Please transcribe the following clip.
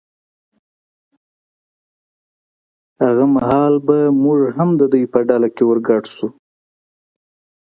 هغه مهال به بیا موږ هم د دوی په ډله کې ور ګډ شو.